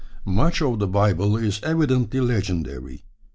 Much of the Bible is evidently legendary.